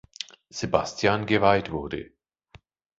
Sebastian geweiht wurde.